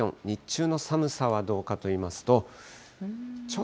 日中の寒さはどうかといいますと。